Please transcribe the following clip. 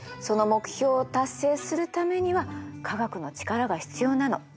その目標を達成するためには科学の力が必要なの。